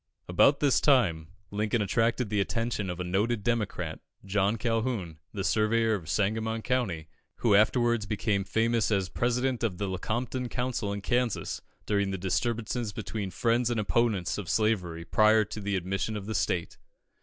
About this time, Lincoln attracted the attention of a noted Democrat, John Calhoun, the surveyor of Sangamon County, who afterwards became famous as President of the Lecompton Council in Kansas, during the disturbances between the friends and opponents of slavery prior to the admission of the state.